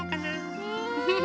ねえ。